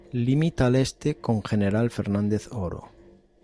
Limita al este con General Fernández Oro.